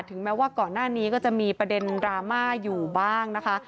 แม้ว่าก่อนหน้านี้ก็จะมีประเด็นดราม่าอยู่บ้างนะคะ